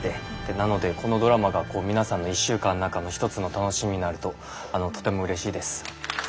なのでこのドラマが皆さんの１週間の中の一つの楽しみになるととてもうれしいです。